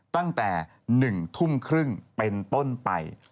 ตั้งแต่๑ทุ่มครึ่งเป็นต้นไป